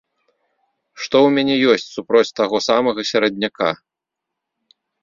Што ў мяне ёсць супроць таго самага серадняка?